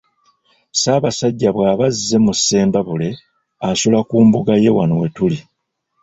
Ssaabassajja bw’aba azze mu Ssembabule, asula ku mbuga ye wano we tuli.